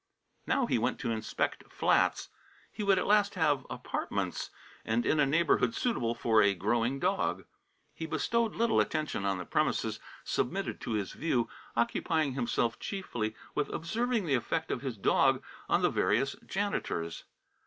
Now, he went to inspect flats. He would at last have "apartments," and in a neighbourhood suitable for a growing dog. He bestowed little attention on the premises submitted to his view, occupying himself chiefly with observing the effect of his dog on the various janitors.